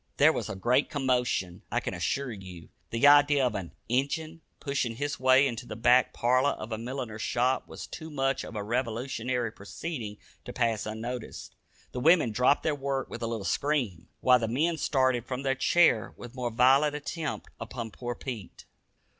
There was a great commotion, I can assure you. The idea of an "Injun" pushing his way into the back parlor of a milliner's shop was too much of a revolutionary proceeding to pass unnoticed. The women dropped their work with a little scream, while the man started from his chair with most violent intent upon poor Pete.